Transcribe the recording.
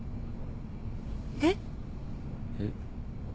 えっ？えっ？